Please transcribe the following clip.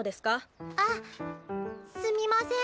あすみません。